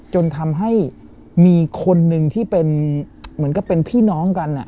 จนทำให้มีคนหนึ่งที่เป็นเหมือนกับเป็นพี่น้องกัน